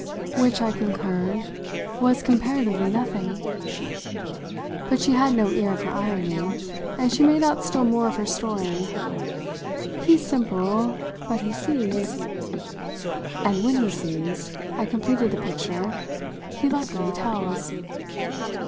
"Which," I concurred, "was comparatively nothing!" But she had no ear for irony, and she made out still more of her story. "He's simple but he sees." "And when he sees" I completed the picture "he luckily tells."